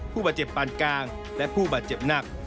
ผู้บาดเจ็บปานกลางและผู้บาดเจ็บหนัก